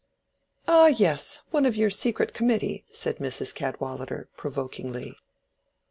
"Ah, yes: one of your secret committee," said Mrs. Cadwallader, provokingly.